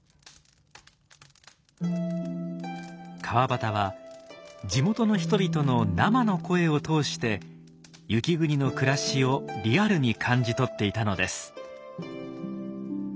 川端は地元の人々の生の声を通して雪国の暮らしをリアルに感じ取っていたのです。